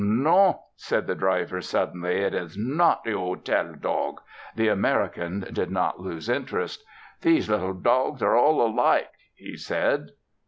"Non!" said the driver suddenly, "it is not the 'otel dog." The American did not lose interest. "These little dawgs are all alike," he said.